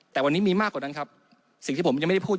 แต่วันนี้มีมากกว่านั้นครับสิ่งที่ผมยังไม่ได้พูด